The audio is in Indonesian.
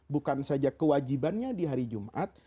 bukan saja kewajibannya di hari jumat